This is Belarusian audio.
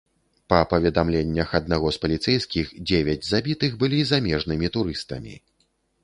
Па паведамленнях аднаго з паліцэйскіх, дзевяць забітых былі замежнымі турыстамі.